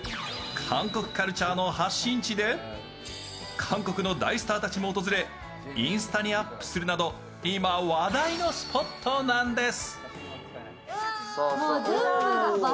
韓国カルチャーの発信地で韓国の大スターたちも訪れインスタにアップするなど今、話題のスポットなんです。